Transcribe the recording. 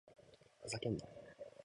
ふざけんな！